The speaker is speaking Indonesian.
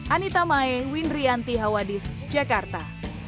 anita mae windrianti hawadis jakarta